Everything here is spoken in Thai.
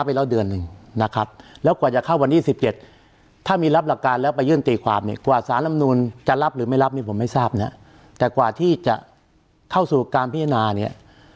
เป็นการเลื่อนเกมหรือเปล่านะครับในประเด็นนี้